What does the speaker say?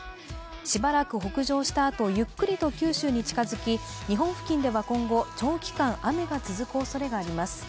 しばらく北上したあと、ゆっくりと九州に近づき日本付近では今後、長期間雨が続くおそれがあります。